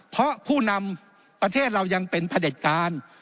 เพราะผู้นำประเทศเรายังเป็นพระเด็จการ